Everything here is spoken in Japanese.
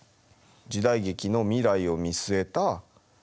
時代劇の未来を見据えた回にしたい。